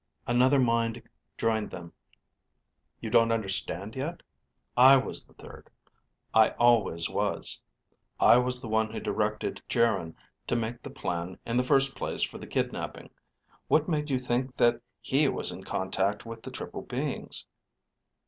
_ Another mind joined them. _You don't understand yet? I was the third, I always was. I was the one who directed Geryn to make the plan in the first place for the kidnaping. What made you think that he was in contact with the triple beings?